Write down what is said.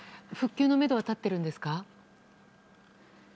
復旧のめどは立ってるんですか？